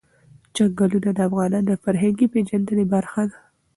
چنګلونه د افغانانو د فرهنګي پیژندنې برخه ده.